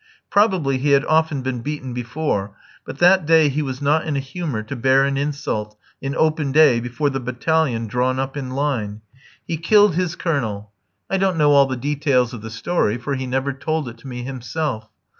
Probably he had often been beaten before, but that day he was not in a humour to bear an insult, in open day, before the battalion drawn up in line. He killed his Colonel. I don't know all the details of the story, for he never told it to me himself.